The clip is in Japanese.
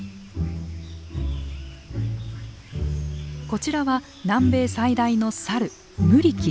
こちらは南米最大のサルムリキ。